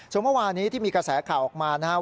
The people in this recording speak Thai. ส่วนเมื่อวานี้ที่มีกระแสข่าวออกมานะครับ